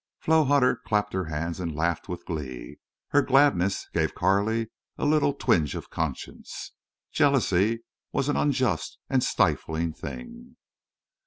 Flo Hutter clapped her hands and laughed with glee. Her gladness gave Carley a little twinge of conscience. Jealously was an unjust and stifling thing.